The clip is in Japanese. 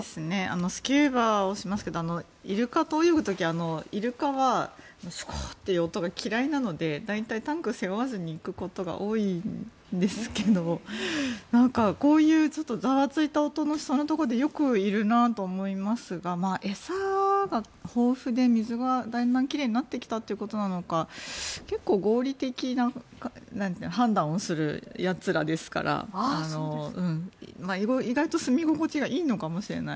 スキューバをしますけどイルカと泳ぐ時イルカはシュゴーって音が嫌いなので大体タンクを背負わずに行くことが多いんですがこういう、ちょっとざわついた音のしたところでよくいるなと思いますが餌が豊富で水がだんだん奇麗になってきたということなのか結構、合理的な判断をするやつらですから意外とすみ心地がいいのかもしれない。